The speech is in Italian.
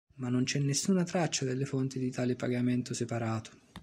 Ma non c'è nessuna traccia nelle fonti di tale pagamento separato.